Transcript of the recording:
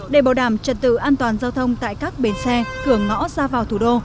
để bảo đảm trật tự an toàn giao thông tại các bến xe cửa ngõ ra vào thủ đô